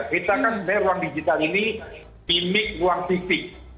kita kan dari ruang digital ini kimik ruang fisik